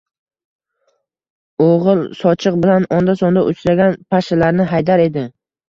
O‘g‘il sochiq bilan onda-sonda uchragan pashshalarni haydar edi